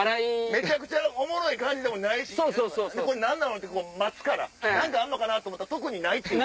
めちゃくちゃおもろい感じでもないし待つから何かあるのかと思ったら特にないっていう。